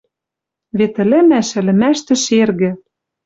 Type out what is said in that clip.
Вет ӹлӹмӓш ӹлӹмӓштӹ шергӹ.